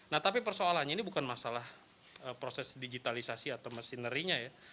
nah tapi persoalannya ini bukan masalah proses digitalisasi atau mesinery nya ya